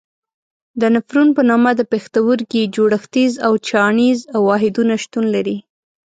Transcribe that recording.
د نفرون په نامه د پښتورګي جوړښتیز او چاڼیز واحدونه شتون لري.